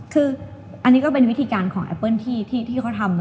คืออันนี้ก็เป็นวิธีการเพลงที่เขาทำ